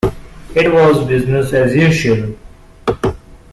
It was business as usual.